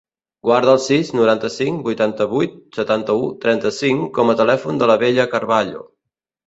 Guarda el sis, noranta-cinc, vuitanta-vuit, setanta-u, trenta-cinc com a telèfon de la Bella Carvalho.